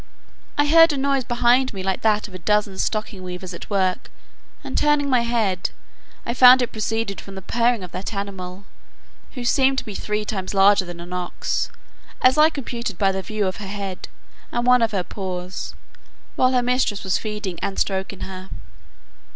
I heard a noise behind me like that of a dozen stocking weavers at work; and turning my head, I found it proceeded from the purring of that animal, who seemed to be three times larger than an ox, as I computed by the view of her head, and one of her paws, while her mistress was feeding and stroking her.